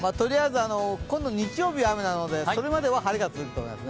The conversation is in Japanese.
今度日曜日雨なのでそれまで晴れが続きます。